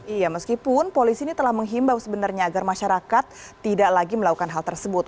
iya meskipun polisi ini telah menghimbau sebenarnya agar masyarakat tidak lagi melakukan hal tersebut